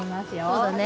そうだね。